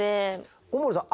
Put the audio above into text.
小森さん